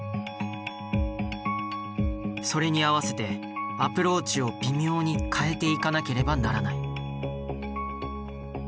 それに合わせてアプローチを微妙に変えていかなければならない。